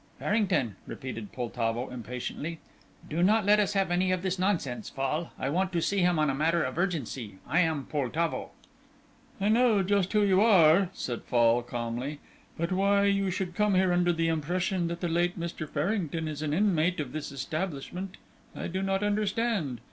"Farrington," repeated Poltavo, impatiently. "Do not let us have any of this nonsense, Fall. I want to see him on a matter of urgency. I am Poltavo." "I know just who you are," said Fall, calmly, "but why you should come here under the impression that the late Mr. Farrington is an inmate of this establishment I do not understand.